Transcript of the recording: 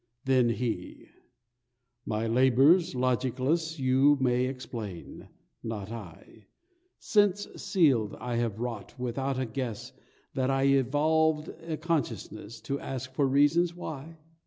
Then He: "My labours logicless You may explain; not I: Sense sealed I have wrought, without a guess That I evolved a Consciousness To ask for reasons why!